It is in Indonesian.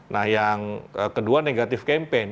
nah yang kedua negatif campaign